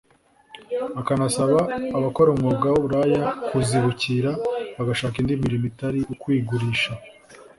akanasaba abakora umwuga w’uburaya kuzibukira bagashaka indi mirimo itari ukwigurisha